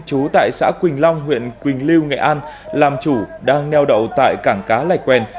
chú tại xã quỳnh long huyện quỳnh lưu nghệ an làm chủ đang neo đậu tại cảng cá lạch quen